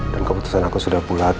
dan keputusan aku sudah pulat